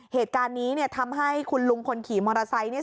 เหตุการณ์นี้เนี่ยทำให้คุณลุงคนขี่มอเตอร์ไซค์เนี่ย